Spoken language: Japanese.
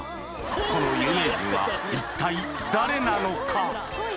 この有名人は一体誰なのか？